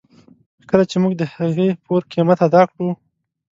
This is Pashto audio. کله چې موږ د هغې پوره قیمت ادا کړو.